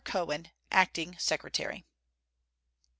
COWEN, Acting Secretary.